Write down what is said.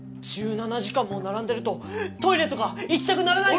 １７時間も並んでるとトイレとか行きたくならない。